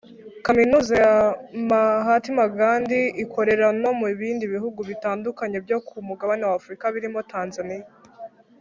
Kaminuza ya Mahatma Ghandi ikorera no mu bindi bihugu bitandukanye byo ku mugabane wa Afurika birimo Tanzania